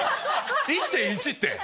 １．１って。